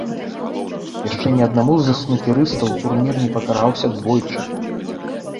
Яшчэ ні аднаму з снукерыстаў турнір не пакараўся двойчы.